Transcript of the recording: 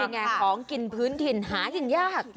ของกินพื้นถิ่นหากินยาก